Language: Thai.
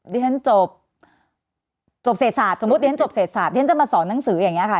เรียนจบจบเศษศาสตร์สมมุติเรียนจบเศษศาสตร์เรียนจะมาสอนหนังสืออย่างนี้ค่ะ